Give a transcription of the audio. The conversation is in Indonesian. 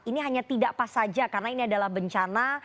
ini hanya tidak pas saja karena ini adalah bencana